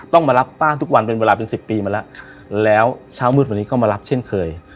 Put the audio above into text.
ต้องมารับป้าทุกวันเป็นเวลาเป็นสิบปีมาแล้วแล้วเช้ามืดวันนี้ก็มารับเช่นเคย